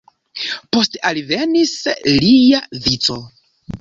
Poste alvenis lia vico.